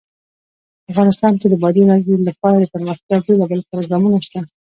افغانستان کې د بادي انرژي لپاره دپرمختیا بېلابېل پروګرامونه شته.